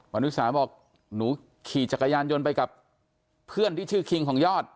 อนุสาบอกหนูขี่จักรยานยนต์ไปกับเพื่อนที่ชื่อคิงของยอด